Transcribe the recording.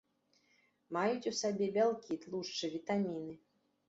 Маюць у сабе бялкі, тлушчы, вітаміны.